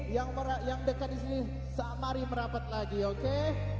yang dekat disini mari merapat lagi oke